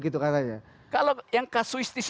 gitu katanya kalau yang kasuistis